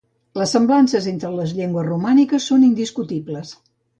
Les semblances entre les llengües romàniques són indiscutibles.